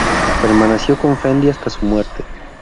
Permaneció con Fendi hasta su muerte.